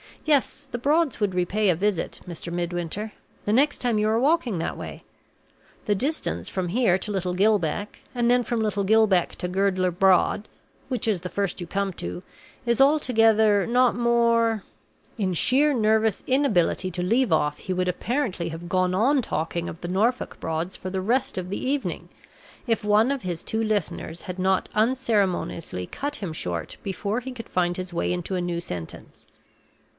Yes; the Broads would repay a visit, Mr. Midwinter. The next time you are walking that way. The distance from here to Little Gill Beck, and then from Little Gill Beck to Girdler Broad, which is the first you come to, is altogether not more " In sheer nervous inability to leave off, he would apparently have gone on talking of the Norfolk Broads for the rest of the evening, if one of his two listeners had not unceremoniously cut him short before he could find his way into a new sentence.